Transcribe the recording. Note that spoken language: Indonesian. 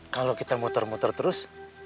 kalau kita motor motor terus